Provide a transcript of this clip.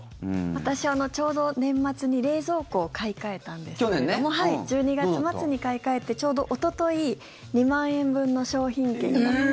私、ちょうど年末に冷蔵庫を買い替えたんですけども１２月末に買い替えてちょうど、おととい２万円分の商品券が。